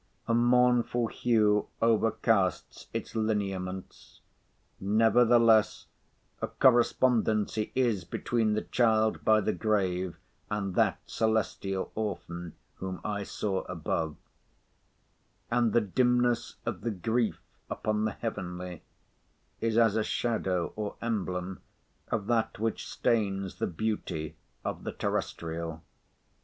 A mournful hue overcasts its lineaments; nevertheless, a correspondency is between the child by the grave, and that celestial orphan, whom I saw above; and the dimness of the grief upon the heavenly, is as a shadow or emblem of that which stains the beauty of the terrestrial.